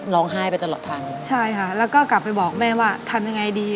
ร้องไห้ไปตลอดทางใช่ค่ะแล้วก็กลับไปบอกแม่ว่าทำยังไงดี